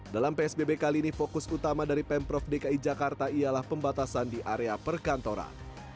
dalam psbb kali ini fokus utama dari pemprov dki jakarta ialah pembatasan di area perkantoran